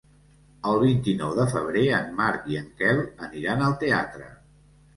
El vint-i-nou de febrer en Marc i en Quel aniran al teatre.